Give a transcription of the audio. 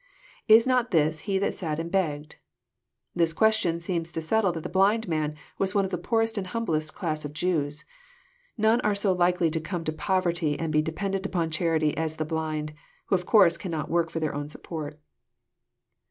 [7a not this he that sat and hegg^f] This question seems to settle that the blind man was one of the poorest and humblest class of Jews. None are so likely to come to poverty and be dependent on charity as the blind, who of course cannot work for their own support.